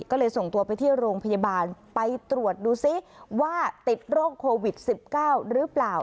ก็เลยส่งตัวไปที่โรงพยาบาลไปตรวจดูซิว่าติดโรคโควิด๑๙หรือเปล่า